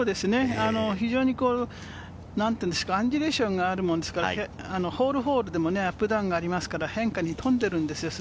非常にアンジュレーションがあるものですから、ホールホールでもアップダウンがありますから、変化に富んでるんですよ。